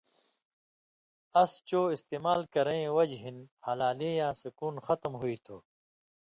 اس چو استعمال کرَیں وجہۡ ہِن ہلالیں یاں سُکُون ختم ہُوئ تُھو